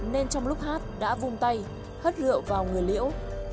nên trong lúc hát đã vung tay hất rượu vào người liễu